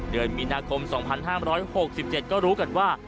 เดือนมีนาคม๒๕๖๗ก็รู้กันว่า